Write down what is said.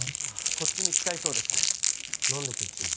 こっちに来たいそうです何でこっちに？